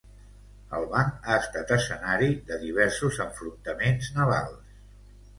El banc ha estat escenari de diversos enfrontaments navals.